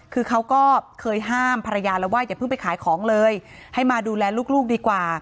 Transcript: คือเขาก็เคยห้ามภรรยาแล้วว่าอย่าเพิ่งไปขายของเลยให้มาดูแลลูกดีกว่า